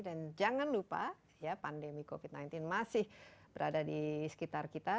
dan jangan lupa ya pandemi covid sembilan belas masih berada di sekitar kita